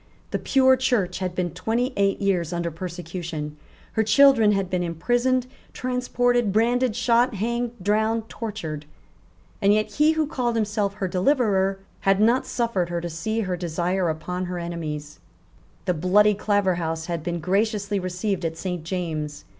The pure Church had been twenty eight years under persecution. Her children had been imprisoned, transported, branded, shot, hanged, drowned, tortured. And yet he who called himself her deliverer had not suffered her to see her desire upon her enemies, The bloody Claverhouse had been graciously received at Saint James's.